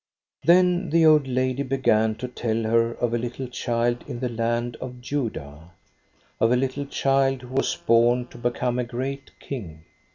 "Then the old lady began to tell her of a little child in the land of Judah; of a little child who was born to become a great King.